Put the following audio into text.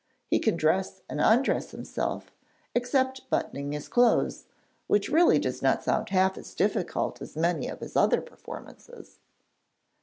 He can dress and undress himself, except buttoning his clothes,' which really does not sound half as difficult as many of his other performances.